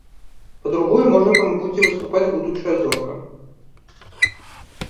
Па-другое, можа, там будзе выступаць будучая зорка.